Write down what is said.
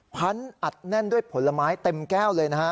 พันอัดแน่นด้วยผลไม้เต็มแก้วเลยนะฮะ